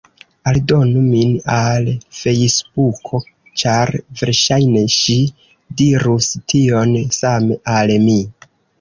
Aldonu min al Fejsbuko! ĉar verŝajne ŝi dirus tion same, al mi.